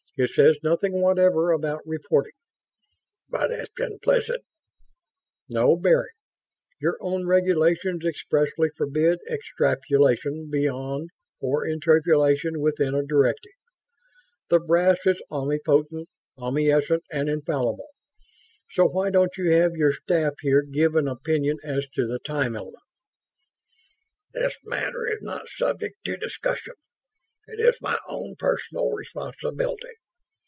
It says nothing whatever about reporting." "But it's implicit...." "No bearing. Your own Regulations expressly forbid extrapolation beyond or interpolation within a directive. The Brass is omnipotent, omniscient and infallible. So why don't you have your staff here give an opinion as to the time element?" "This matter is not subject to discussion. It is my own personal responsibility.